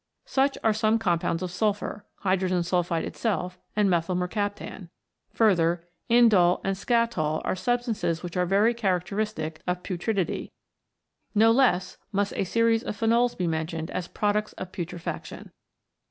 Such are some compounds of sulphur, hydrogen sulphide itself, and methyl mercaptan ; further, indol and scatol are substances which are very characteristic of putridity. No less must a series of phenols be mentioned as products of putrefaction.